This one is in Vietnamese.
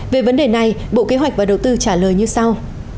về vấn đề này bộ kế hoạch và đầu tư trả lời như sau